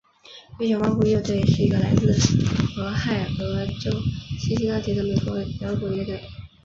月球漫步乐团是一个来自俄亥俄州辛辛那提的美国摇滚乐队。